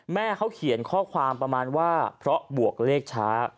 แม่เขาเขียนข้อความประมาณว่าเพราะบวกเลขช้า